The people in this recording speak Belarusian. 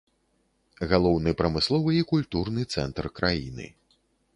Галоўны прамысловы і культурны цэнтр краіны.